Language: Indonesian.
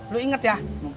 lo inget ya